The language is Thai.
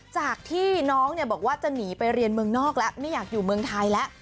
จากที่น้องบอกว่าจะหนีไปเรียนเมืองนอกแล้วไม่อยากอยู่เมืองไทยแล้ว